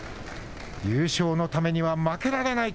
優勝のためには負けられない